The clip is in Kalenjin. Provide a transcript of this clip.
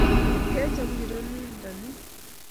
kecham ingiroo nin nda ni?.